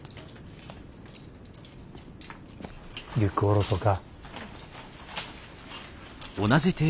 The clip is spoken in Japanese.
リュック下ろそか。